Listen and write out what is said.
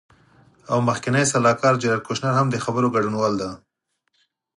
او مخکینی سلاکار جیراد کوشنر هم د خبرو ګډونوال دی.